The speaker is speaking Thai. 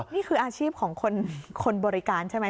นี่คืออาชีพของคนบริการใช่ไหม